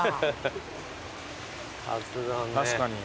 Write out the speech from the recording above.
確かに。